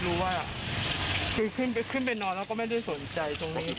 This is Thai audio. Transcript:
คือขึ้นไปนอนแล้วก็ไม่ได้สนใจ